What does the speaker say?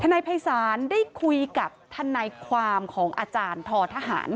นายภัยศาลได้คุยกับทนายความของอาจารย์ททหาร